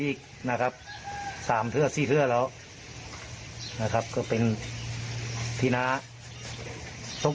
อีกนะครับสามเทือดสี่เทือดแล้วนะครับก็เป็นที่นะตก